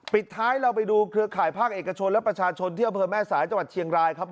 ปิดท้ายเราไปดูเครือข่ายภาคเอกชนและประชาชนที่อำเภอแม่สายจังหวัดเชียงรายครับ